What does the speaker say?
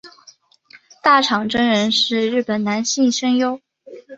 大场真人是日本男性声优。